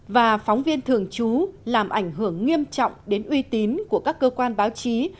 và phóng viên thường trú làm ảnh hưởng nghiêm trọng đến uy tín của các cơ quan báo chí